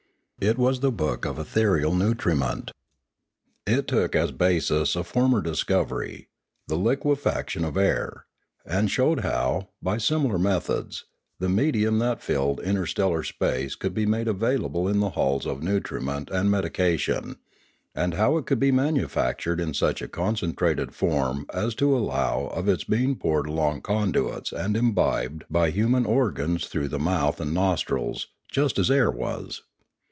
It was the book of Ethe real Nutriment. It took as basis a former discovery, Pioneering 461 the liquefaction of air, and showed how, by similar methods, the medium that filled interstellar space could be made available in the halls of nutriment and medi cation, and how it could be manufactured in such a concentrated form as to allow of its being poured along conduits and imbibed by the human organs through the mouth and nostrils, just as air was.